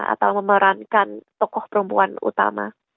atau memerankan tokoh perempuan utama